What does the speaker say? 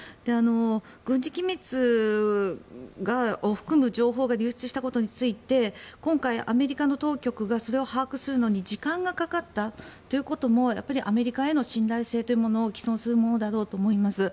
軍事機密を含む情報が流出したことについて今回、アメリカの当局がそれを把握するのに時間がかかったということもアメリカへの信頼性というものを毀損するものだろうと思います。